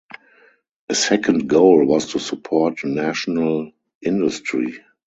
A second goal was to support national industry.